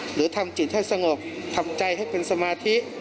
หรือทำจิตให้สงบทำใจให้เป็นสมาธิ